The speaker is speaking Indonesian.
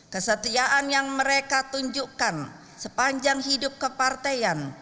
kesetiaan yang mereka tunjukkan sepanjang hidup kepartean